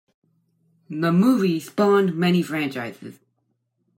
The movie spawned many franchises.